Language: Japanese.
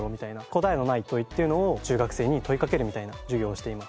答えのない問いっていうのを中学生に問いかけるみたいな授業をしています。